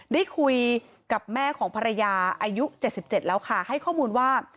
ได้คุยกับแม่ของภรรยาอายุ๗๗แล้วค่ะให้ข้อมูลว่า